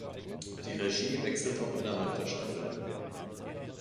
Die Regie wechselt auch innerhalb der Staffeln.